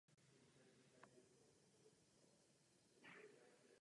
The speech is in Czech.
Církevní obřad proběhl v Madridu.